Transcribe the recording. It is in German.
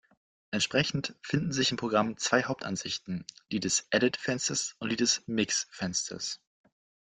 Entsprechend finden sich im Programm zwei Haupt-Ansichten: die des "Edit"-Fensters und die des "Mix"-Fensters.